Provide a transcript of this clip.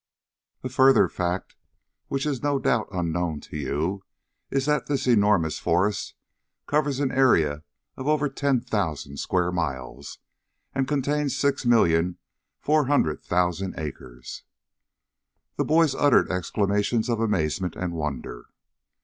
"A further fact, which is no doubt unknown to you, is that this enormous forest covers an area of over ten thousand square miles, and contains six million, four hundred thousand acres." The boys uttered exclamations of amazement and wonder.